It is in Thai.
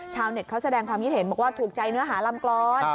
ชาวเน็ตเขาแสดงความคิดเห็นบอกว่าถูกใจเนื้อหาลำกรอน